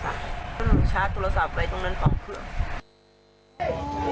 ชาร์จโทรศัพท์ไว้ตรงนั้นต่อเครื่อง